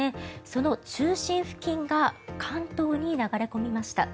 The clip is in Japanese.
その中心付近が関東に流れ込みました。